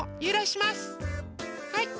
はい。